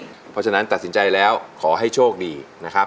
เพราะฉะนั้นตัดสินใจแล้วขอให้โชคดีนะครับ